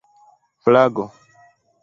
flago